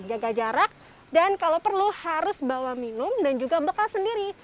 jaga jarak dan kalau perlu harus bawa minum dan juga bekal sendiri